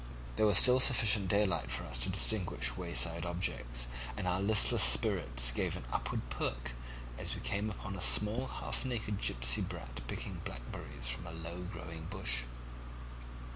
"There was still sufficient daylight for us to distinguish wayside objects, and our listless spirits gave an upward perk as we came upon a small half naked gipsy brat picking blackberries from a low growing bush.